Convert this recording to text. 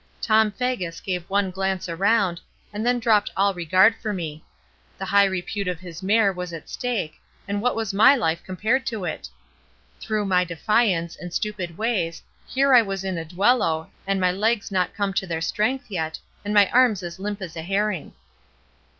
Tom Faggus gave one glance around, and then dropped all regard for me. The high repute of his mare was at stake, and what was my life compared to it? Through my defiance, and stupid ways, here was I in a duello, and my legs not come to their strength yet, and my arms as limp as a herring.